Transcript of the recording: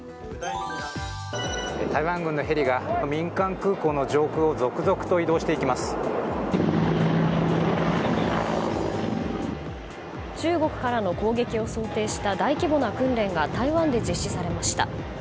台湾軍のヘリが民間空港の上空を中国からの攻撃を想定した大規模な訓練が台湾で実施されました。